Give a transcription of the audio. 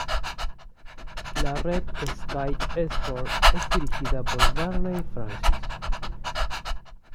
La red Sky Sports es dirigido por Barney Francis.